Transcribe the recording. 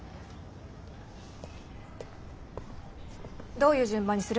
どういう順番にする？